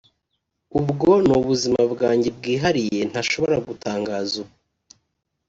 Ubwo ni ubuzima bwanjye bwihariye ntashobora gutangaza ubu